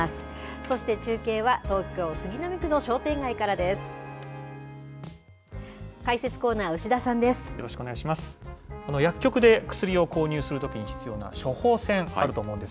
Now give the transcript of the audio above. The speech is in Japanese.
そして、中継は東京・杉並区の商店街からです。